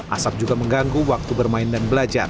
asap juga mengganggu waktu bermain dan belajar